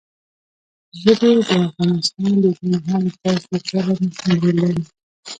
ژبې د افغانستان د اوږدمهاله پایښت لپاره مهم رول لري.